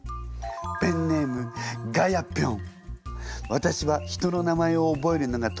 ペンネームガヤピョン。